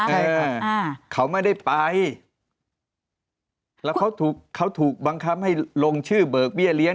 อ่าเขาไม่ได้ไปแล้วเขาถูกเขาถูกบังคับให้ลงชื่อเบิกเบี้ยเลี้ย